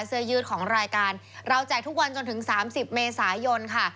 เสื้อยืดของรายการเราแจกทุกวันจนถึง๓๐เมษายนค่ะ